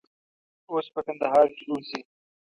اوس په کندهار کې اوسي.